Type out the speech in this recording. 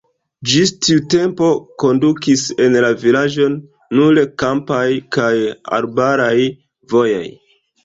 Ĝis tiu tempo kondukis en la vilaĝon nur kampaj kaj arbaraj vojoj!